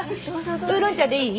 ウーロン茶でいい？